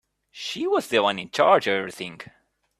She was the one in charge of everything.